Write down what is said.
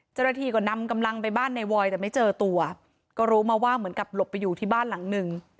เจ้าหน้าที่ก็นำกำลังไปบ้านในวอยแต่ไม่เจอตัวก็รู้มาว่าเหมือนกับหลบไปอยู่ที่บ้านหลังหนึ่ง